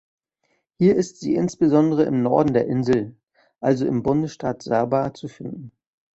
Hier ist sie insbesondere im Norden der Insel, also im Bundesstaat Sabah zu finden.